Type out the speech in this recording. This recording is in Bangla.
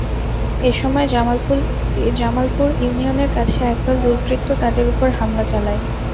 এ সময় জামালপুর ইউনিয়নের কাছে একদল দুর্বৃত্ত তাঁদের ওপর হামলা চালায়।